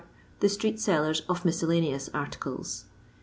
The Street Sellei's of Miscellaneous Articles.